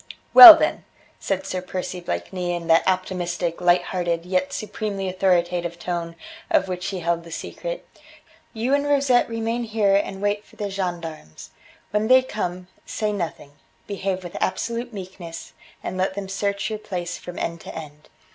"Well, then," said Sir Percy Blakeney in that optimistic, light hearted yet supremely authoritative tone of which he held the secret, "you and Rosette remain here and wait for the gendarmes. When they come, say nothing; behave with absolute meekness, and let them search your place from end to end.